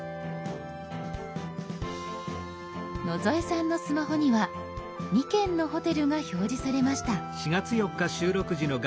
野添さんのスマホには２件のホテルが表示されました。